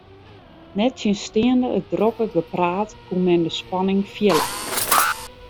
Nettsjinsteande it drokke gepraat koe men de spanning fiele.